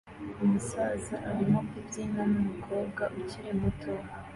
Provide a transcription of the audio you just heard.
Umusaza arimo kubyina numukobwa ukiri muto